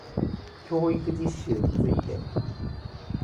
教育実習について